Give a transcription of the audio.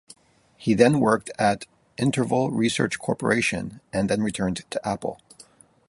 He then worked at Interval Research Corporation, and then returned to Apple.